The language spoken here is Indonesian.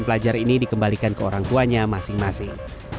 pelajar ini dikembalikan ke orang tuanya masing masing